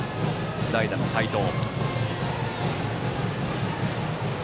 代打の齋藤。